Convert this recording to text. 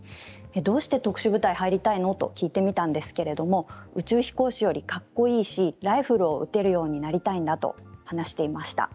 どうして特殊部隊に入りたいの？と聞いてみたんですけれど宇宙飛行士よりかっこいいしライフルを撃てるようになりたいんだと話していました。